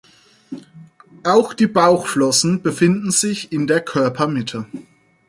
Auch die Bauchflossen befinden sich in der Körpermitte.